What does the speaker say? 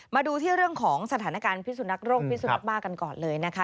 มาดูที่เรื่องของสถานการณ์พิสุนักโรคพิสุนักบ้ากันก่อนเลยนะคะ